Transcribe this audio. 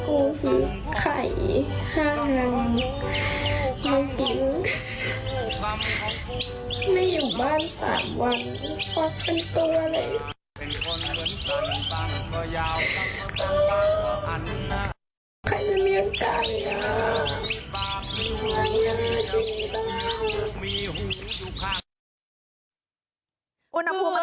อุณหภูมิมันถึงใช่ไหมคุณ